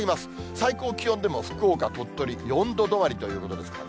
最高気温でも福岡、鳥取、４度止まりということですからね。